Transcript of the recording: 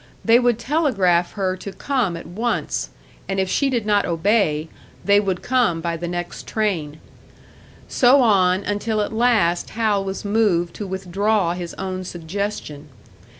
They would telegraph her to come at once; and if she did not obey, they would come by the next train. So on, until at last Hal was moved to withdraw his own suggestion.